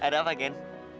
ada apa gen